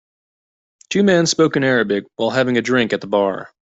Two men spoke in Arabic while having a drink at the bar.